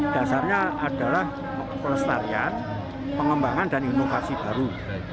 dasarnya adalah pelestarian pengembangan dan inovasi baru